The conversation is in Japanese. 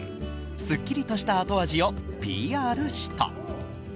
すっきりとした後味をＰＲした。